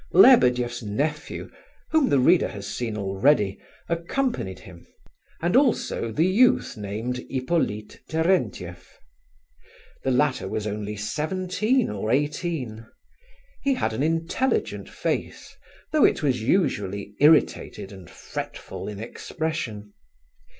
Lebedeff's nephew, whom the reader has seen already, accompanied him, and also the youth named Hippolyte Terentieff. The latter was only seventeen or eighteen. He had an intelligent face, though it was usually irritated and fretful in expression.